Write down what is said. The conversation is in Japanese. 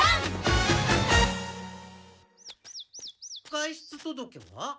外出届は？